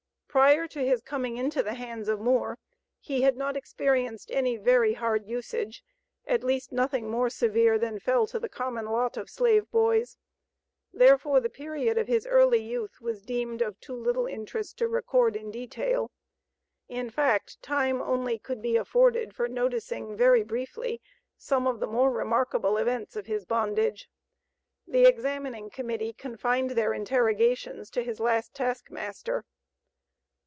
Prior to his coming into the hands of Moore he had not experienced any very hard usage, at least nothing more severe than fell to the common lot of slave boys, therefore the period of his early youth was deemed of too little interest to record in detail. In fact time only could be afforded for noticing very briefly some of the more remarkable events of his bondage. The examining Committee confined their interrogations to his last taskmaster.